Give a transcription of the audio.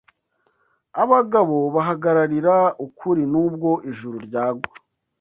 abagabo bahagararira ukuri nubwo ijuru ryagwa.